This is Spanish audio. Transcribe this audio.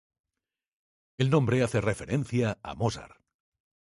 El nombre hace referencia a Mozart.